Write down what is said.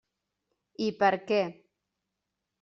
I per què.